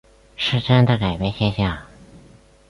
失真的改变现象。